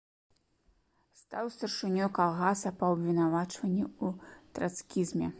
Стаў старшынёй калгаса, па абвінавачванні ў трацкізме.